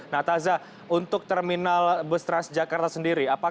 nah taza untuk terminal bustras jakarta sendiri